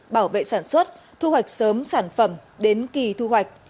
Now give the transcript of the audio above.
bảo vệ sản xuất thu hoạch sớm sản phẩm đến kỳ thu hoạch